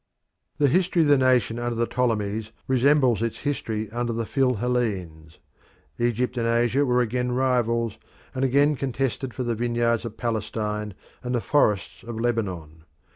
The history of the nation under the Ptolemies resembles its history under the Phil Hellenes, Egypt and Asia were again rivals, and again contested for the vineyards of Palestine and the forests of Lebanon.